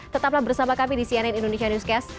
tetaplah bersama kami di cnn indonesia newscast